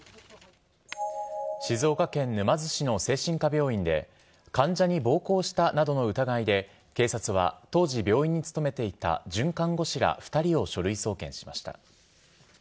静岡県沼津市の精神科病院で、患者に暴行したなどの疑いで警察は、当時病院に勤めていた准看護師ら２人を書類送検しました。